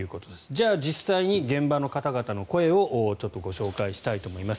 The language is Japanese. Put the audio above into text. じゃあ、実際に現場の方々の声をちょっとご紹介したいと思います。